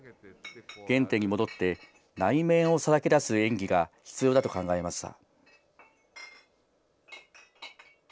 原点に戻って、内面をさらけ出す演技が必要だと考えました。